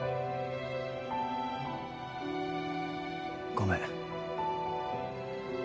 ごめん。